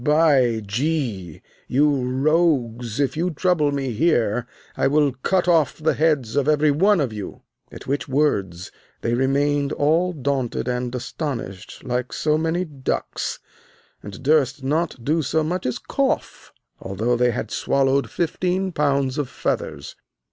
By G , you rogues, if you trouble me here, I will cut off the heads of everyone of you. At which words they remained all daunted and astonished like so many ducks, and durst not do so much as cough, although they had swallowed fifteen pounds of feathers.